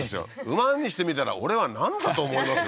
馬にしてみたら俺はなんだ？と思いますよ